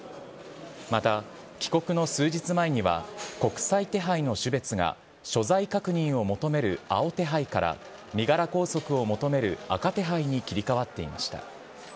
また帰国の数日前には、国際手配の種別が所在確認を求める青手配から身柄拘束を求める赤手配に切り替わっていました。